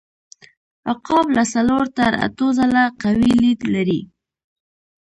عقاب له څلور تر اتو ځله قوي لید لري.